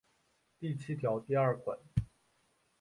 第七条第二款